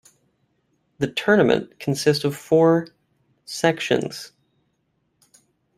The tournament consists of four sections.